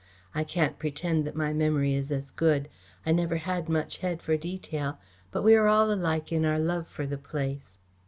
I can't pretend that my memory is as good. I never had much head for detail, but we are all alike in our love for the place."